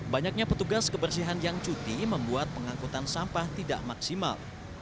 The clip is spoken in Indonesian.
banyaknya petugas kebersihan yang cuti membuat pengangkutan sampah tidak maksimal